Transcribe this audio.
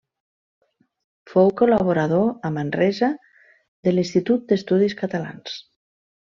Fou col·laborador, a Manresa, de l'Institut d'Estudis Catalans.